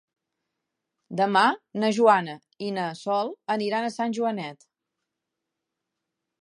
Demà na Joana i na Sol aniran a Sant Joanet.